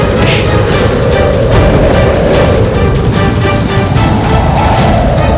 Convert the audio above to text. semoga allah selalu melindungi kita